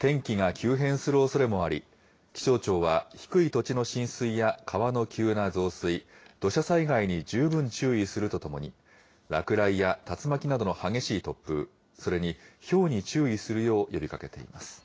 天気が急変するおそれもあり、気象庁は、低い土地の浸水や川の急な増水、土砂災害に十分注意するとともに、落雷や竜巻などの激しい突風、それに、ひょうに注意するよう呼びかけています。